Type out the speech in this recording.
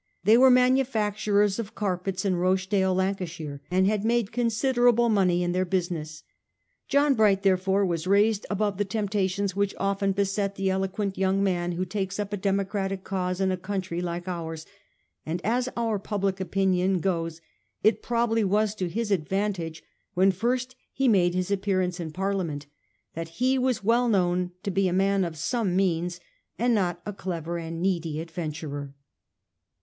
They were manu facturers of carpets in Rochdale, Lancashire, and had made considerable money in their business. John Bright therefore was raised above the temptations which often beset the eloquent young man who takes up a democratic cause in a country like ours ; and as our public opinion goes it probably was to his ad vantage when first he made his appearance in Parlia ment that he was well known to be a man of some means, and not a clever and needy adventurer.